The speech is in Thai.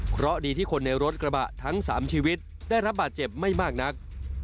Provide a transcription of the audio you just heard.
เพราะดีที่คนในรถกระบะทั้ง๓ชีวิตได้รับบาดเจ็บไม่มากนัก